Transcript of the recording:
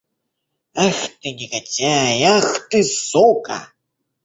Ах, ты негодяй! Ах, ты сука!